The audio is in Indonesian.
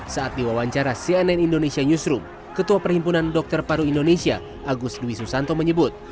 saat diwawancara cnn indonesia newsroom ketua perhimpunan dokter paru indonesia agus dwi susanto menyebut